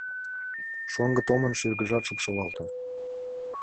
— Шоҥго Томын шӱргыжат шупшылалте.